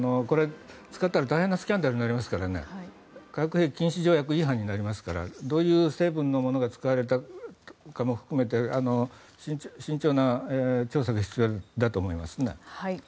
つかったら大変なスキャンダルになりますから化学兵器禁止条約違反になりますからどういう成分のものが使われたかも含めて慎重な調査が必要だと思いますね。